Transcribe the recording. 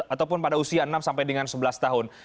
ataupun pada usia enam sebelas tahun